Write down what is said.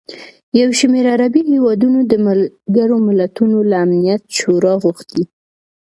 یوشمېر عربي هېوادونو د ملګروملتونو له امنیت شورا غوښتي